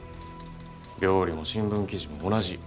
料理も新聞記事も同じ。